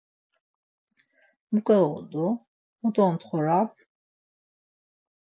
Mu gağodu, mo ontxoram?